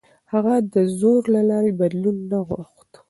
هغه د زور له لارې بدلون نه غوښت.